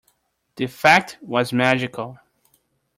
The effect was magical.